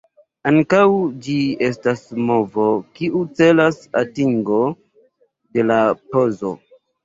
Ankaŭ ĝi estas movo kiu celas atingon de la pozo.